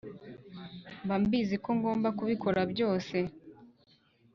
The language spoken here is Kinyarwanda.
mba mbizi ko ngomba kubikora byose